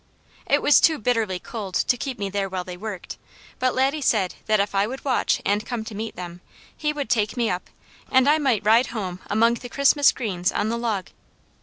It was too bitterly cold to keep me there while they worked, but Laddie said that if I would watch, and come to meet them, he would take me up, and I might ride home among the Christmas greens on the log.